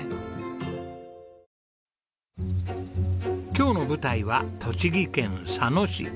今日の舞台は栃木県佐野市。